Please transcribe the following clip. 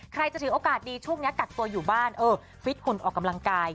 ใครจะถือโอกาสดีช่วงนี้กักตัวอยู่บ้านเออฟิตหุ่นออกกำลังกาย